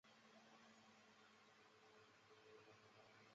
隼形目的鸟多在高树或悬崖上营巢。